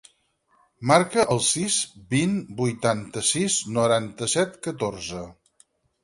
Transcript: Marca el sis, vint, vuitanta-sis, noranta-set, catorze.